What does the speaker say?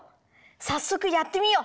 さっそくやってみよう！